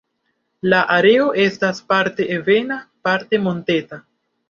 La areo estas parte ebena, parte monteta.